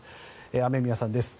雨宮さんです。